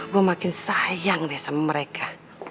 gue makin sayang deh sama mereka